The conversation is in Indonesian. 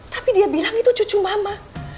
tapi dia bilang itu cucu mama